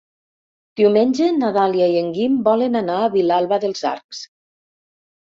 Diumenge na Dàlia i en Guim volen anar a Vilalba dels Arcs.